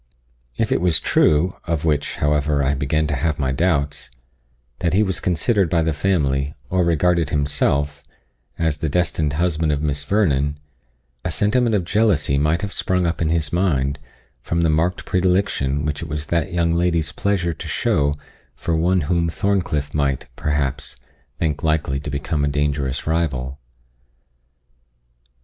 If it was true, of which, however, I began to have my doubts, that he was considered by the family, or regarded himself, as the destined husband of Miss Vernon, a sentiment of jealousy might have sprung up in his mind from the marked predilection which it was that young lady's pleasure to show for one whom Thorncliff might, perhaps, think likely to become a dangerous rival.